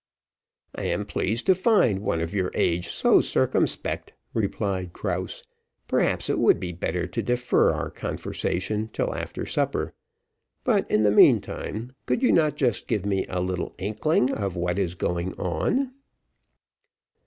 "I am pleased to find one of your age so circumspect," replied Krause; "perhaps it would be better to defer our conversation till after supper, but in the meantime, could you not just give me a little inkling of what is going on?"